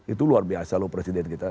itu luar biasa loh presiden kita